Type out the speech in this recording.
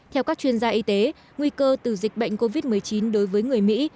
theo các chuyên gia y tế nguy cơ từ dịch bệnh covid một mươi chín đối với người mỹ